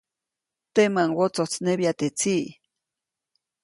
Temäʼuŋ wotsojtsnebya teʼ tsiʼ.